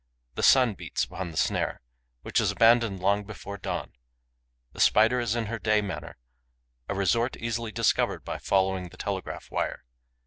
The sun beats upon the snare, which is abandoned long before dawn. The Spider is in her day manor, a resort easily discovered by following the telegraph wire.